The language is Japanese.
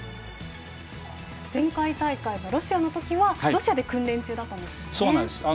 前回大会のロシアの時はロシアで訓練中だったんですよね。